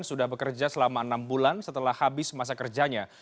sudah bekerja selama enam bulan setelah habis masa kerjanya